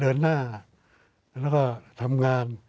เดินหน้าแล้วก็ทำงาน